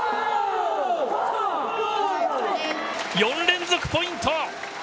４連続ポイント。